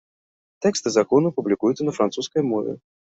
Тэксты законаў публікуюцца на французскай мове.